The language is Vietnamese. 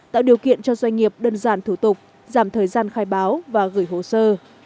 tạo điều kiện cho doanh nghiệp đơn giản thủ tục giảm thời gian khai báo và gửi hồ sơ